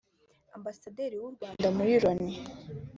Ambasaderi w’u Rwanda muri Loni